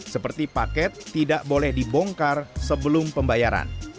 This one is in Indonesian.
seperti paket tidak boleh dibongkar sebelum pembayaran